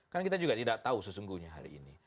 kan kita juga tidak tahu sesungguhnya hari ini